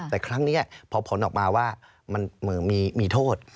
แต่ครั้งนี้พอผลออกมาว่ามีโทษ